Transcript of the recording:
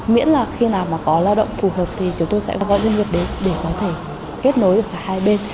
miễn là khi nào mà có lao động phù hợp thì chúng tôi sẽ gọi doanh nghiệp đến để có thể kết nối được cả hai bên